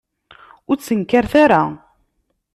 Ur ttnekkaret ara.